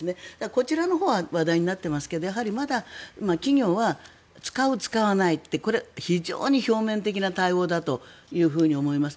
こちらのほうは話題になっていますけどやはりまだ企業は使う、使わないってこれは非常に表面的な対応だと思います。